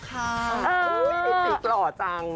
คุยมิคส์หล่อจัง